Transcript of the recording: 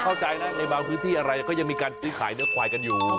เข้าใจนะในบางพื้นที่อะไรก็ยังมีการซื้อขายเนื้อควายกันอยู่